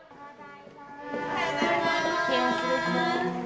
おはようございます。